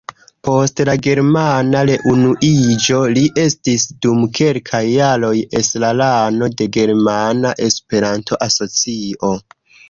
Post la germana reunuiĝo li estis dum kelkaj jaroj estrarano de Germana Esperanto-Asocio.